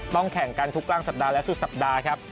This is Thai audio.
แข่งกันทุกกลางสัปดาห์และสุดสัปดาห์ครับ